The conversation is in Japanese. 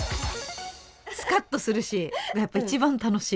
スカッとするしやっぱ一番楽しい。